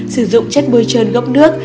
sử dụng chất bôi trơn gốc nước